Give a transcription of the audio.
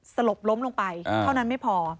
สลบล้มลงไปเท่านั้นไม่พอ